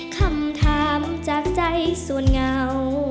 คำถามจากใจส่วนเงา